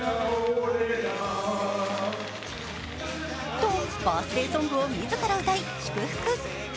と、バースデーソングを自ら歌い、祝福。